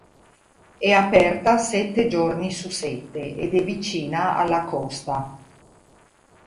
È aperta sette giorni su sette ed è vicina alla costa.